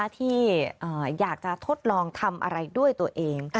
ที่อยากจะทดลองทำอะไรด้วยตัวเอง